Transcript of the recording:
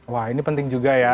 wah ini penting juga ya